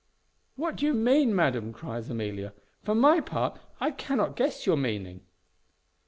"What do you mean, madam?" cries Amelia. "For my part, I cannot guess your meaning."